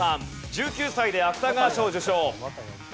１９歳で芥川賞受賞。